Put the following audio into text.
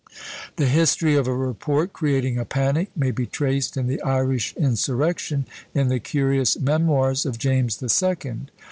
The history of a report creating a panic may be traced in the Irish insurrection, in the curious memoirs of James the Second.